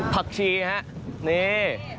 ผักชีฮะนี่